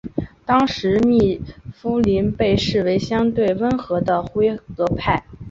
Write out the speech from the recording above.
当时密夫林被视为相对温和的辉格派。